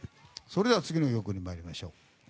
それでは次の曲に参りましょう。